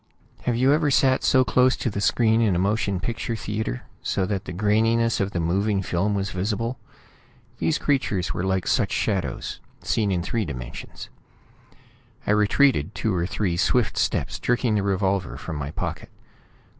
Have you ever sat close to the screen in a motion picture theatre, so that the graininess of the moving film was visible? These creatures were like such shadows, seen in three dimensions. I retreated two or three swift steps, jerking the revolver from my pocket.